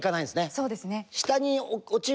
そうですね。